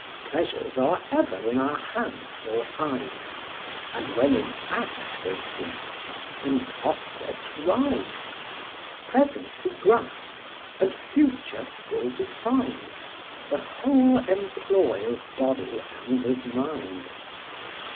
Pleasures are ever in our hands or eyes; And when in act they cease, in prospect rise: Present to grasp, and future still to find, The whole employ of body and of mind.